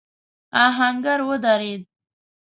آهنګر ودرېد.